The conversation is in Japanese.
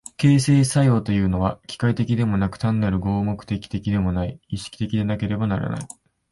形成作用というのは機械的でもなく単なる合目的的でもない、意識的でなければならない。